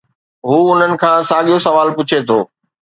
هو انهن کان ساڳيو سوال پڇي ٿو